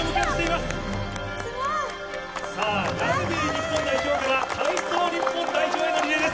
すごい。さあ、ラグビー日本代表から体操日本代表へのリレーです。